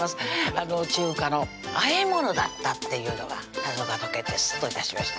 あの中華の和えものだったっていうのが謎が解けてスッと致しました